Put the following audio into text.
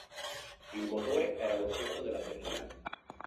Il motore era lo stesso della berlina.